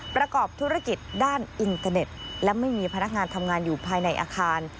ประกอบธุรกิจด้านอินเทอร์เน็ตและไม่มีพนักงานทำงานอยู่ภายในอาคาร